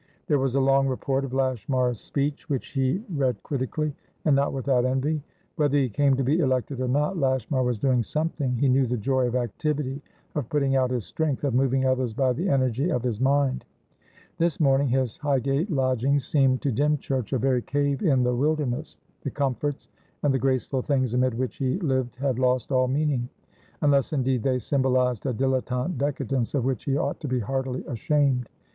There was a long report of Lashmar's speech, which he read critically, and not without envy. Whether he came to be elected or not, Lashmar was doing something; he knew the joy of activity, of putting out his strength, of moving others by the energy of his mind. This morning, his Highgate lodgings seemed to Dymchurch, a very cave in the wilderness. The comforts and the graceful things amid which he lived had lost all meaning; unless, indeed, they symbolised a dilettante decadence of which he ought to be heartily ashamed.